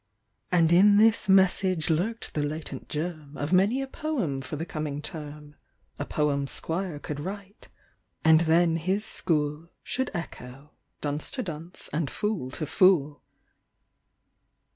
And in this message lurked the latent germ Of many a poem for the coming term, A poem Squire could write, and then his school 59 Should echo, dunce to dunce, and fool to fool.